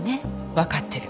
わかってる。